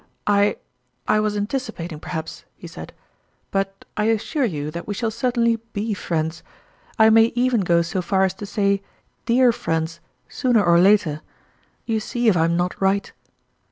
"I I was anticipating, perhaps," he said. " But I assure you that we shall certainly be friends I may even go so far as to say, dear friends sooner or later. You see if I am not right